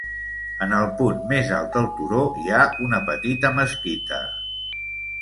En el punt més alt del turó hi ha una petita mesquita.